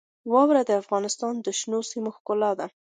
واوره د افغانستان د شنو سیمو ښکلا ده.